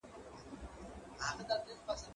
زه پرون ږغ اورم وم!!